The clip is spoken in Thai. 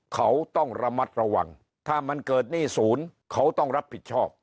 เขาต้องระมัดระวังถ้ามันเกิดหนี้ศูนย์เขาต้องรับผิดชอบ